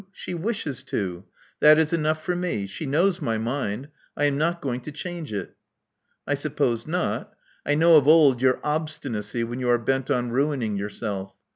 She wishes to: that is enough for me. She knows my mind. I am not going to change it. " I suppose not. I know of old your obstinacy when you are bent on ruining yourself.